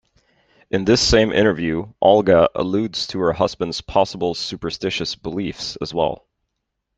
In this same interview, Olga alludes to her husband's possible superstitious beliefs as well.